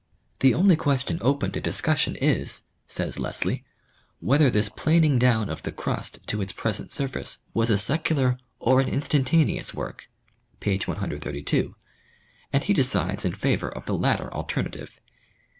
"The only question open to discussion is," says Lesley, " whether this planing down of the crust to its present surface was a secular or an instantaneous work" (p. 132), and he decides in favor of the latter alternative.